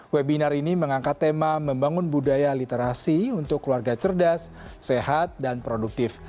webinar ini mengangkat tema membangun budaya literasi untuk keluarga cerdas sehat dan produktif